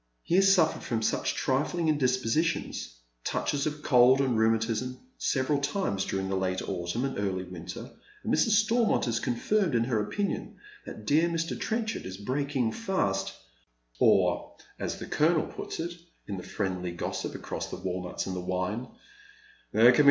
He ha« suffered from such trifling indispositions, touches of cold and rheumatism, several times during the late autumn and early winter, and Mrs. Stormont is confirmed in her opinion that dear Mr. Trenchard is breaking fast, or, as the colonel puts it, in the friendly gossip across the walnuts and the wine, " there can bt.